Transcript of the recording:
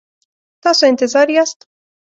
تاسو انتظار یاست؟